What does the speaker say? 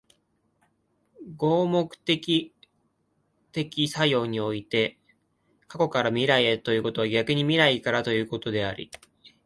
合目的的作用において、過去から未来へということは逆に未来からということであり、